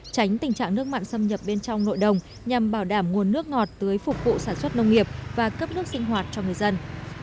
tránh tình trạng nước mặn xâm nhập bên trong nội đồng nhằm bảo đảm nguồn nước ngọt tưới phục vụ sản xuất nông nghiệp và cấp nước sinh hoạt cho người dân